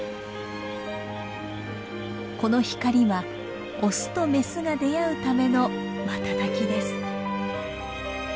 この光はオスとメスが出会うための瞬きです。